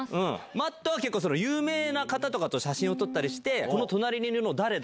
Ｍａｔｔは結構、有名な方とかと写真を撮ったりして、この隣にいるの誰だ？